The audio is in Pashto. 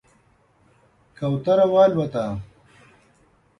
کوتره والوته